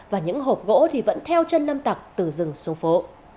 và những hộp gỗ thì vẫn theo chân lâm tặc từ rừng xuống phố